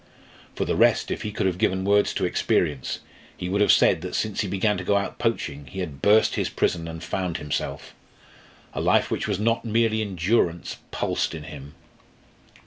For the rest, if he could have given words to experience, he would have said that since he began to go out poaching he had burst his prison and found himself. A life which was not merely endurance pulsed in him.